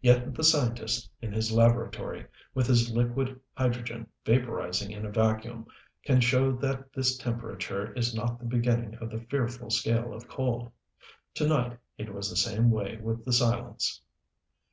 Yet the scientist, in his laboratory, with his liquid hydrogen vaporizing in a vacuum, can show that this temperature is not the beginning of the fearful scale of cold. To night it was the same way with the silence.